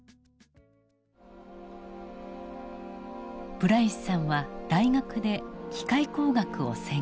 プライスさんは大学で機械工学を専攻。